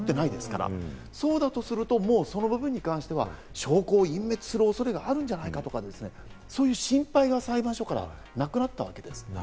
そうだとすると、その部分は証拠を隠滅する恐れがあるんじゃないかとか、そういう心配が裁判所の中でなくなったわけです。